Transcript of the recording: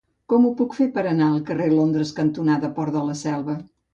Com ho puc fer per anar al carrer Londres cantonada Port de la Selva?